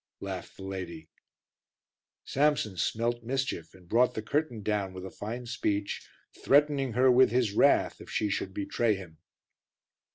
laughed the lady. Samson smelt mischief and brought the curtain down with a fine speech, threatening her with his wrath if she should betray him.